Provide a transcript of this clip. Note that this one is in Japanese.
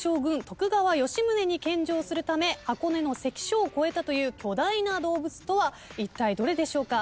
徳川吉宗に献上するため箱根の関所を越えたという巨大な動物とはいったいどれでしょうか。